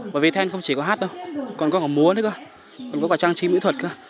bởi vì then không chỉ có hát đâu còn có cả múa nữa cơ còn có cả trang trí mỹ thuật cơ